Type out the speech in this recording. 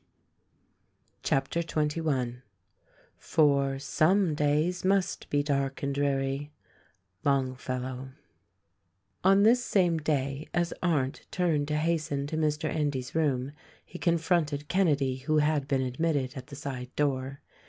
CHAPTER XXI. "For, Some days must be dark and dreary." — Longfellow. On this same day, as Arndt turned to hasten to Mr. Endy's room he confronted Kenedy who had been admitted at the side door.